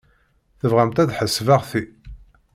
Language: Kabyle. Tebɣamt ad ḥesbeɣ ti?